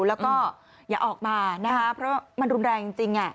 แล้วก็อย่าออกมานะคะเพราะมันรุนแรงจริง